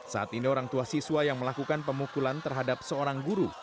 saat ini orang tua siswa yang melakukan pemukulan terhadap seorang guru